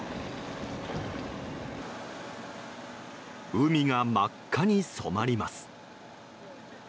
海が真っ赤に染まります。